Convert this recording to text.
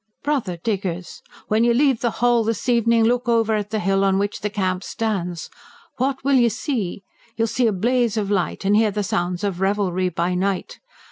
Brother diggers! When you leave the hall this evening, look over at the hill on which the Camp stands! What will you see? You will see a blaze of light, and hear the sounds of revelry by night.